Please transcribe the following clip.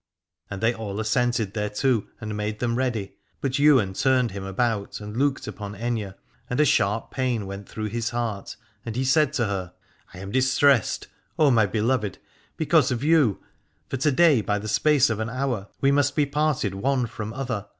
And they all assented thereto and made them ready. But Ywain turned him about and looked upon Aithne, and a sharp pain went through his heart and he said to her: I am distressed, O my beloved, because of you : for to day by the space of an hour we must be parted one from other.